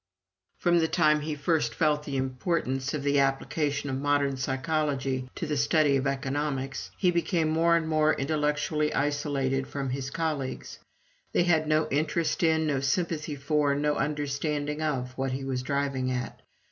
From the time he first felt the importance of the application of modern psychology to the study of economics, he became more and more intellectually isolated from his colleagues. They had no interest in, no sympathy for, no understanding of, what he was driving at.